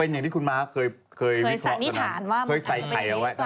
เป็นอย่างที่คุณมาร์คเคยวิเคราะห์ตอนนั้น